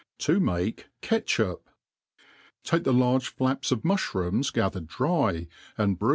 7*9 makt Catchup. TAKE the large flaps of muflirooms gathered dry, and V X